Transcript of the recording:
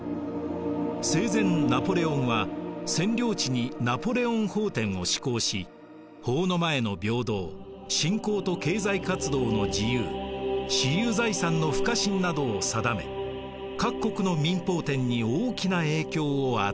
生前ナポレオンは占領地に「ナポレオン法典」を施行し法の前の平等信仰と経済活動の自由私有財産の不可侵などを定め各国の民法典に大きな影響を与えました。